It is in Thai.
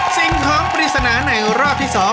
สิ่งของปริศนาในรอบที่๒